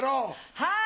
はい！